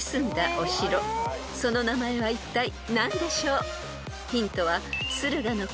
［その名前はいったい何でしょう？］